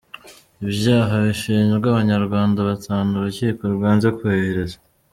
Ibyaha bishinjwa Abanyarwanda batanu urukiko rwanze kohereza